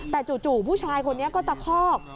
แต่จู่ผู้ชายคนนี้ก็ตะคอก